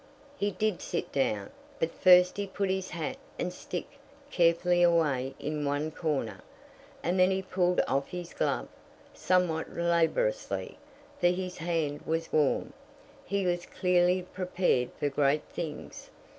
He did sit down; but first he put his hat and stick carefully away in one corner, and then he pulled off his glove somewhat laboriously, for his hand was warm. He was clearly prepared for great things.